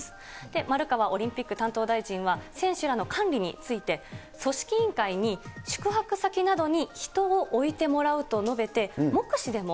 丸川オリンピック担当大臣は、選手らの管理について、組織委員会に、宿泊先などに人を置いてもらうと述べて、目視でも、